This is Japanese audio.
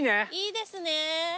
いいですね。